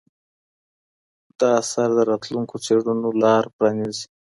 دا اثر د راتلونکو څېړنو لار پرانیزي.